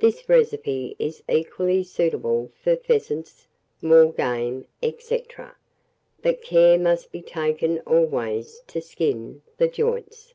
This recipe is equally suitable for pheasants, moor game, &c. but care must be taken always to skin the joints.